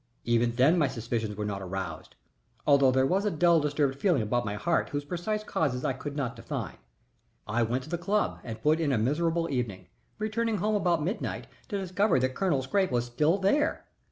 Even then my suspicions were not aroused, although there was a dull, disturbed feeling about my heart whose precise causes I could not define. I went to the club and put in a miserable evening, returning home about midnight to discover that Colonel Scrappe was still there.